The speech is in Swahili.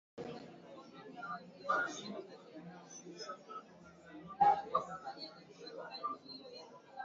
Wanajeshi wa Marekani wasiozidi mia tano wameidhinishwa kuingia Somalia kukabiliana na Al Shabaab